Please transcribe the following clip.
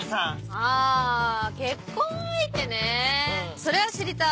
あ結婚相手ねそれは知りたい。